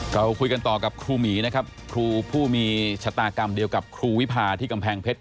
เราคุยกันต่อกับครูหมีนะครับครูผู้มีชะตากรรมเดียวกับครูวิพาที่กำแพงเพชร